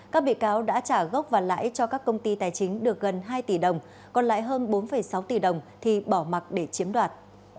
các bị cáo đã trả gốc và lãi cho các công ty tài chính được gần hai tỷ đồng còn lại hơn bốn sáu tỷ đồng thì bỏ mặt để chiếm đoạt